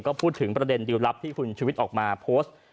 ก็พูดถึงประเด็นดิวลลับที่คุณชุวิตออกมาโพสต์